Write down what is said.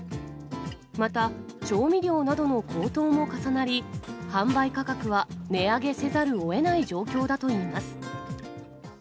また、調味料などの高騰も重なり、販売価格は値上げせざるをえない状況だといいます。